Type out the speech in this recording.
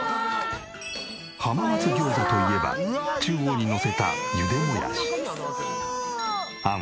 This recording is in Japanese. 浜松餃子といえば中央にのせた茹でもやし。